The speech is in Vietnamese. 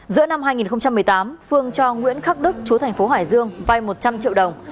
giữa năm hai nghìn một mươi tám phương cho nguyễn khắc đức chúa thành phố hải dương vay một trăm linh triệu đồng